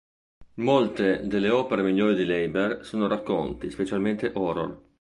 Molte delle opere migliori di Leiber sono racconti, specialmente horror.